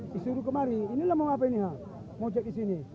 disuruh kemari inilah mau apa ini mau cek di sini